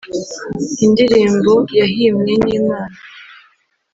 indirimbo yahimwe n’Imana